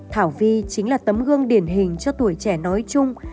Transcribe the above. thảo vi chính là tấm gương điển hình cho tuổi trẻ nói chung